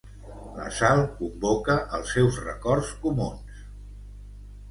La Sal convoca els seus records comuns.